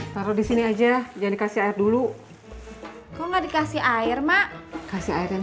taruh di sini aja jadi kasih air dulu kok nggak dikasih air mak kasih air yang